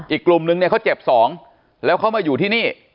อีกกลุ่มนึงเนี่ยเขาเจ็บสองแล้วเขามาอยู่ที่นี่